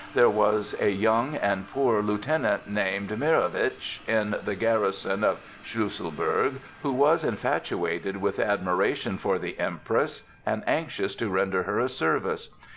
There was a young and poor lieutenant named Mirowitch, in the garrison of Schlüsselburg who was infatuated with admiration for the Empress and anxious to render her a service.